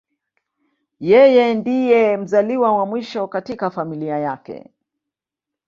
Yeye ndiye mzaliwa wa mwisho katika familia yake.